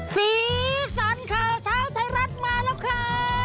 สีสันข่าวเช้าไทยรัฐมาแล้วค่ะ